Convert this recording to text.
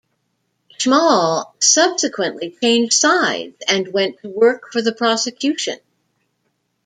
Schmahl subsequently changed sides and went to work for the prosecution.